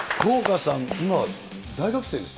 福岡さん、今、大学生ですか。